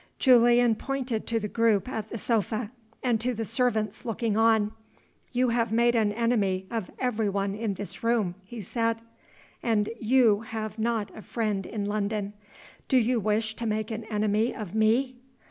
Julian pointed to the group at the sofa, and to the servants looking on. "You have made an enemy of every one in this room," he said, "and you have not a friend in London. Do you wish to make an enemy of _me?